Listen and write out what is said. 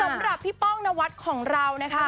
สำหรับพี่ป้องนวัดของเรานะคะ